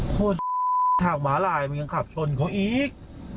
โคตรทางม้าลายมันยังขับชนกันอีก